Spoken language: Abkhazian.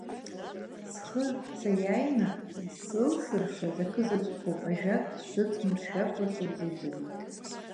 Схы саиааины, исылсыршаз акызаҵәыкоуп, ажәак сҿыҵмыршәакәа сылзыӡырҩит.